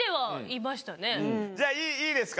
じゃあいいですか？